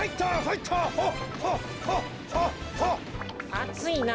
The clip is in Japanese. あついな。